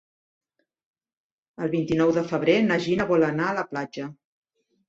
El vint-i-nou de febrer na Gina vol anar a la platja.